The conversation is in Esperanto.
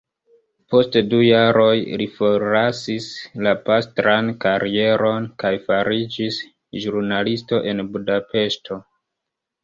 Post du jaroj li forlasis la pastran karieron, kaj fariĝis ĵurnalisto en Budapeŝto.